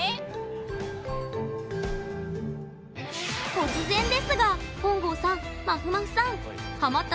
突然ですが本郷さんまふまふさん。